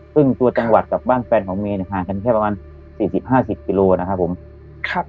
ซึ่งตัวจังหวัดกับบ้านแฟนของเมย์เนี่ยห่างกันแค่ประมาณสี่สิบห้าสิบกิโลนะครับผมครับ